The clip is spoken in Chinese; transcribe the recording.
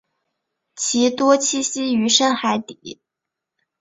其多栖息于深海底。